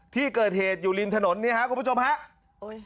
ที่เกิดเหตุอยู่ริมถนนนี่ฮะคุณผู้ชมฮะโอ้ย